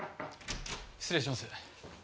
失礼します。